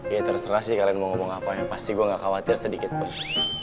ya terserah sih kalian mau ngomong apa ya pasti gue gak khawatir sedikit pun